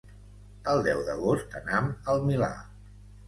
El deu d'agost anam al Milà.